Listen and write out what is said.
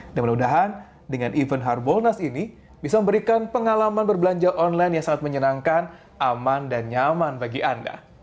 dan mudah mudahan dengan event hardbonus ini bisa memberikan pengalaman berbelanja online yang sangat menyenangkan aman dan nyaman bagi anda